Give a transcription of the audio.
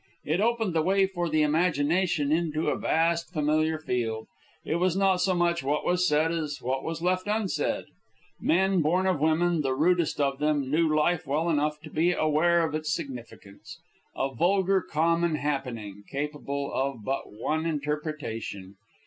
It opened the way for the imagination into a vast familiar field. It was not so much what was said as what was left unsaid. Men born of women, the rudest of them, knew life well enough to be aware of its significance, a vulgar common happening, capable of but one interpretation.